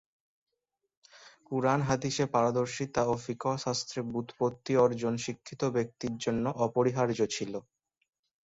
কুরআন-হাদীসে পারদর্শিতা ও ফিক্হশাস্ত্রে বুৎপত্তি অর্জন শিক্ষিত ব্যক্তির জন্য অপরিহার্য ছিল।